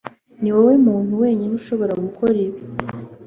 Niwowe muntu wenyine ushobora gukora ibi